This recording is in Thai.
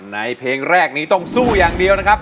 เพลงแรกนี้ต้องสู้อย่างเดียวนะครับ